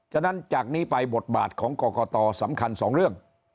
ฉะนั้นจากนี้ไปบทบาทของกรกตสำคัญสองเรื่อง